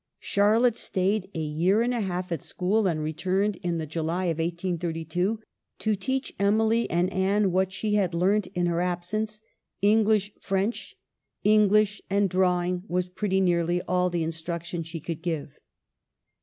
Charlotte stayed a year and a half at school, and returned in the July of 1832 to teach Emily and Anne what she had learnt in her absence ; English French, English, and drawing was pretty nearly all the instruction she could give.